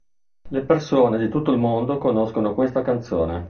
Le persone di tutto il mondo conoscono questa canzone.